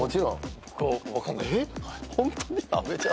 僕分かんない。